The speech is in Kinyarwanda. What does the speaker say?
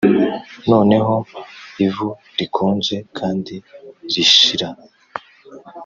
noneho ivu rikonje kandi rishira